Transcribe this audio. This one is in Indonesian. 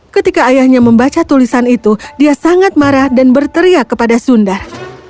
ketika ayahnya membaca tulisan itu dia sangat marah dan berteriak kepada sundar